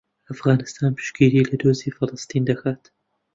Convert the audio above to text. ئەفغانستان پشتگیری لە دۆزی فەڵەستین دەکات.